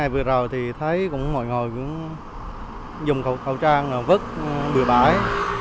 vừa rồi thì thấy cũng ngồi ngồi dùng khẩu trang vứt bừa bãi